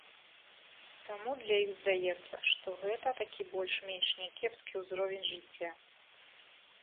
Таму для іх здаецца, што гэта такі больш-менш някепскі ўзровень жыцця.